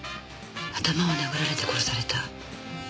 頭を殴られて殺された。